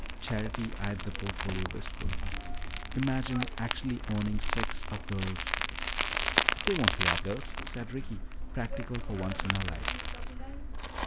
Charity eyed the portfolio wistfully. "Imagine actually owning six of those " "They won't pay our bills," said Ricky, practical for once in her life.